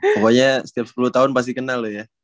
pokoknya setiap sepuluh tahun pasti kenal loh ya